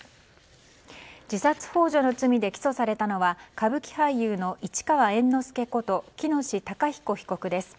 自殺ほう助の罪で起訴されたのは歌舞伎俳優の市川猿之助こと喜熨斗孝彦被告です。